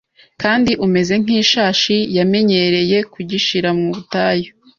kandi umeze nk’ishashi yamenyereye kugishira mu butayu,